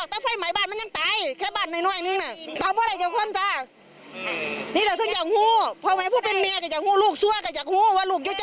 อ่าเดี๋ยวฟังเสียงญาติของผู้ทรงขังอีกสักคนแล้วกันนะฮะ